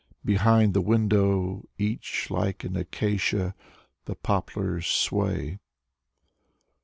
Behind the window, each like an acacia, The poplars sway.